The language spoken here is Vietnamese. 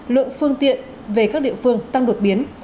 lượng phương tiện về các địa phương tăng đột biến